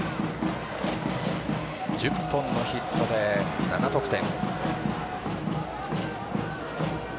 １０本のヒットで７得点。